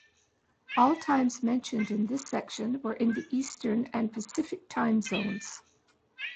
All times mentioned in this section were in the Eastern and Pacific time zones.